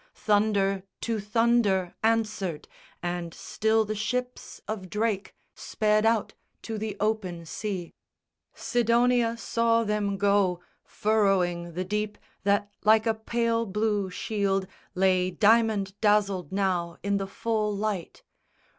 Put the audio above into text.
Thunder to thunder Answered, and still the ships of Drake sped out To the open sea. Sidonia saw them go, Furrowing the deep that like a pale blue shield Lay diamond dazzled now in the full light.